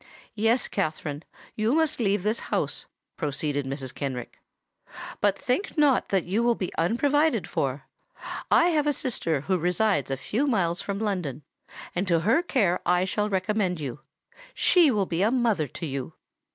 "Yes, Katherine: you must leave this house," proceeded Mrs. Kenrick. "But think not that you will be unprovided for. I have a sister who resides a few miles from London; and to her care I shall recommend you. She will be a mother to you."